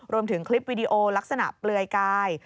รวมถึงคลิปวิดีโอลักษณะเปลือยกาย